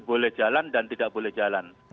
boleh jalan dan tidak boleh jalan